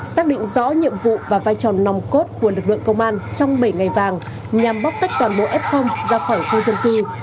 xác định rõ nhiệm vụ và vai tròn nồng cốt của lực lượng công an trong bảy ngày vàng nhằm bóp tách toàn bộ f ra khỏi khu dân tư